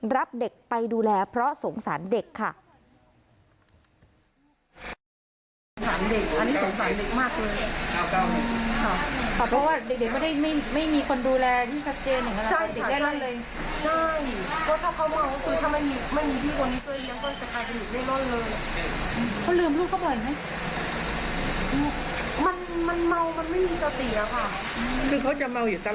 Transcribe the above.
รับเด็กไปดูแลเพราะสงสารเด็กค่ะ